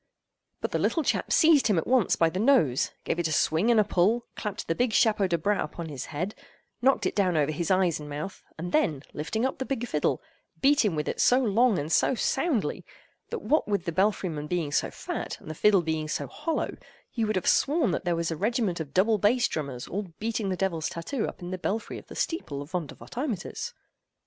But the little chap seized him at once by the nose; gave it a swing and a pull; clapped the big chapeau de bras upon his head; knocked it down over his eyes and mouth; and then, lifting up the big fiddle, beat him with it so long and so soundly, that what with the belfry man being so fat, and the fiddle being so hollow, you would have sworn that there was a regiment of double bass drummers all beating the devil's tattoo up in the belfry of the steeple of Vondervotteimittiss.